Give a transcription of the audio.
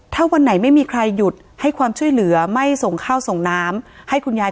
ถ้าวันไหนไม่มีใครหยุดให้ความช่วยเหลือไม่ส่งข้าวส่งน้ำให้คุณยาย